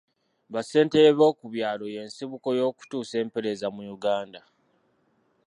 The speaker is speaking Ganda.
Ba ssentebe b'okubyalo y'ensibuko y'okutuusa empeereza mu Uganda .